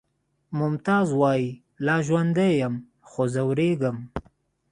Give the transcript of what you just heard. ممتاز وایی لا ژوندی یم خو ځورېږم